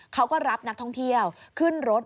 เขาก็รับนักท่องเที่ยวขึ้นรถ